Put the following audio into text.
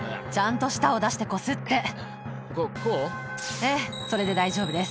ええそれで大丈夫です。